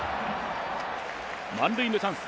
満塁のチャンス